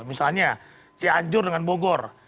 misalnya cianjur dengan bogor